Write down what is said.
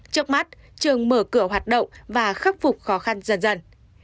trước mắt trường mở cửa hoạt động và khắc phục khó khăn dần dần